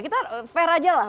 kita fair aja lah